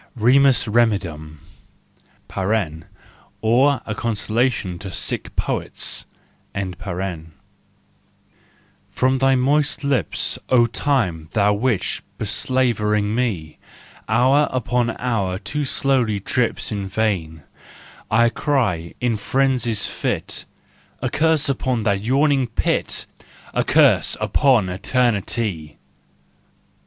RIMUS REMEDIUM (or a Consolation to Sick Poets), From thy moist lips, O Time, thou witch, beslavering me, Hour upon hour too slowly drips In vain—I cry, in frenzy's fit, " A curse upon that yawning pit, A curse upon Eternity!